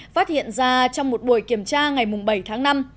phát hiện ra trong một buổi kiểm tra ngày bảy tháng năm